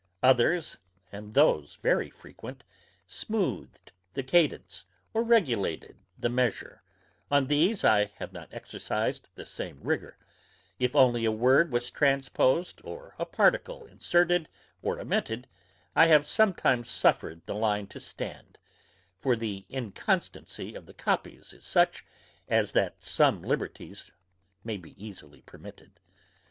Others, and those very frequent, smoothed the cadence, or regulated the measure; on these I have not exercised the same rigour; if only a word was transposed, or a particle Inserted or omitted, I have sometimes suffered the line to stand; for the inconstancy of the copies is such, as that some liberties may be easily permitted.